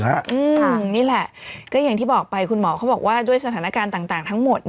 นี่แหละก็อย่างที่บอกไปคุณหมอเขาบอกว่าด้วยสถานการณ์ต่างทั้งหมด